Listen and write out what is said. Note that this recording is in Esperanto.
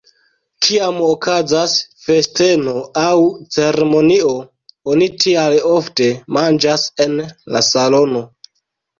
Kiam okazas festeno aŭ ceremonio, oni tial ofte manĝas en la salono.